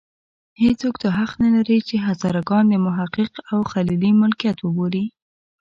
هېڅوک دا حق نه لري چې هزاره ګان د محقق او خلیلي ملکیت وبولي.